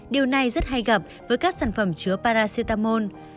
điều này rất hay gặp với các sản phẩm chứa paracetamol